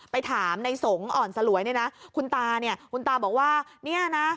ไปถามในสงฆอ่อนสลวยคุณตาบอกว่า